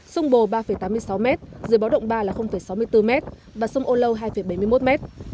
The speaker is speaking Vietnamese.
sông bồ ba tám mươi sáu m dưới báo động ba là sáu mươi bốn m và sông âu lâu hai bảy mươi một m